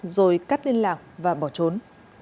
rồi cắt liên lạc và bỏ trốn